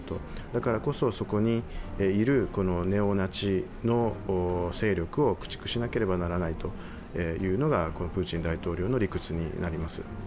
だからこそ、そこにいるネオナチの勢力を駆逐しなければならないというのがプーチン大統領の理屈になります。